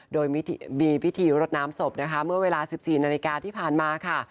โดยมีพิธีรดน้ำศพนะคะเมื่อเวลา๑๔นาฬิกาที่ผ่านมาค่ะ